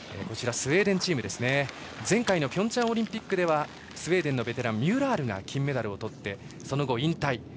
スウェーデンチームは前回のピョンチャンオリンピックでスウェーデンのベテランミューラールが金メダルをとってその後、引退。